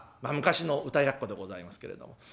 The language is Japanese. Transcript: まあ昔の歌奴でございますけれども。